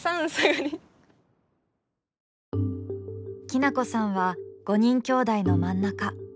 きなこさんは５人きょうだいの真ん中。